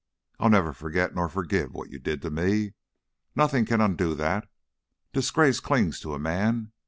I'll never forget nor forgive what you did to me. Nothing can undo that. Disgrace clings to a man.